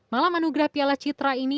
malam anugerah piala citra ini